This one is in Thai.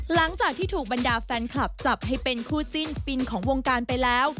หลังจากที่ถูกบรรดาแฟนคลับจับให้เป็นคู่จิ้นปินของวงการไปแล้ว